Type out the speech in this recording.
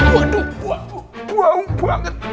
waduh bau banget